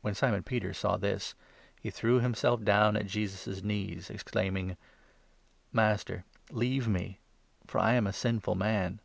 When Simon Peter saw this, he threw himself down at 8 Jesus' knees, exclaiming :" Master, leave me, for I am a sinful man